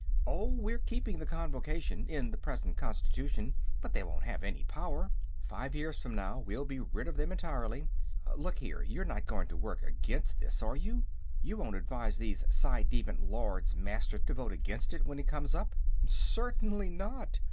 "Oh, we're keeping the Convocation, in the present constitution, but they won't have any power. Five years from now, we'll be rid of them entirely. Look here; you're not going to work against this, are you? You won't advise these ci devant Lords Master to vote against it, when it comes up?" "Certainly not.